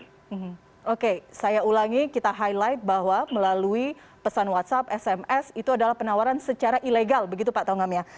hmm oke saya ulangi kita highlight bahwa melalui pesan whatsapp sms itu adalah penawaran secara ilegal begitu pak tongam ya